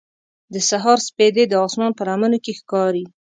د سهار سپېدې د اسمان په لمنو کې ښکاري.